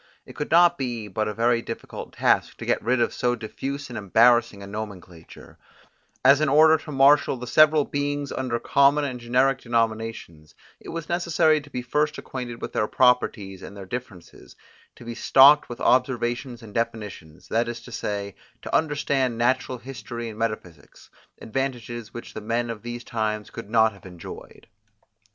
It could not but be a very difficult task to get rid of so diffuse and embarrassing a nomenclature; as in order to marshal the several beings under common and generic denominations, it was necessary to be first acquainted with their properties, and their differences; to be stocked with observations and definitions, that is to say, to understand natural history and metaphysics, advantages which the men of these times could not have enjoyed.